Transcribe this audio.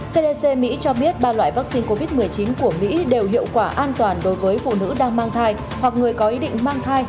cdc mỹ cho biết ba loại vaccine covid một mươi chín của mỹ đều hiệu quả an toàn đối với phụ nữ đang mang thai hoặc người có ý định mang thai